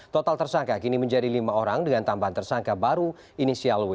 total tersangka kini menjadi lima orang dengan tambahan tersangka baru inisial w